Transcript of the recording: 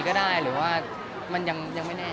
มันเหมือนยังไม่แน่